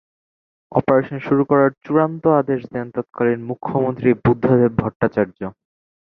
Operation শুরু করার চূড়ান্ত আদেশ দেন তৎকালীন মুখ্যমন্ত্রী বুদ্ধদেব ভট্টাচার্য।